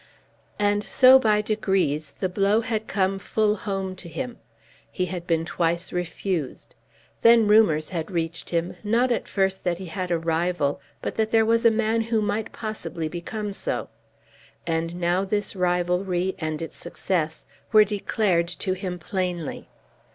And so by degrees the blow had come full home to him. He had been twice refused. Then rumours had reached him, not at first that he had a rival, but that there was a man who might possibly become so. And now this rivalry, and its success, were declared to him plainly.